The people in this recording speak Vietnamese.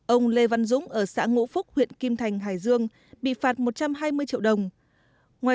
ông lê văn dũng ở xã ngũ phúc huyện kim thành hải dương bị phạt một trăm hai mươi triệu đồng